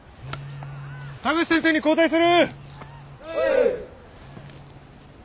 田口先生に交代する！うす！